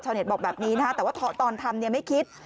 เน็ตบอกแบบนี้นะฮะแต่ว่าตอนทำไม่คิด